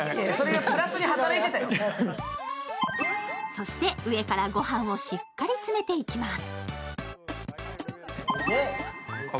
そして上からご飯をしっかり詰めていきます。